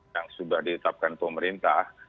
yang sudah ditetapkan pemerintah